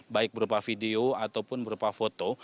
baik berupa video ataupun berupa foto